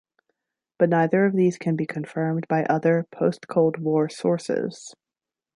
But neither of these can be confirmed by other, post-Cold-War sources.